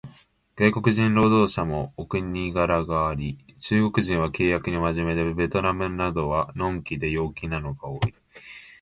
外国人労働者もお国柄があり、中国人は契約に真面目で、ベトナムなどは呑気で陽気なのが多い